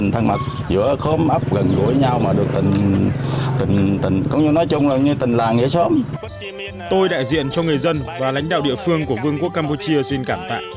tôi đại diện cho người dân và lãnh đạo địa phương của vương quốc campuchia xin cảm tạm